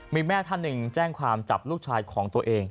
มีแม่ท่านหนึ่งแจ้งความจับลูกชายของตัวเอง